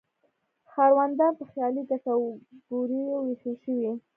ښاروندان په خیالي کټګوریو ویشل شوي.